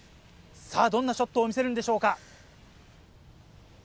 さぁどんなショットを見せるんでしょうか？